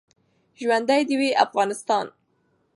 ژوندۍ د وی افغانستان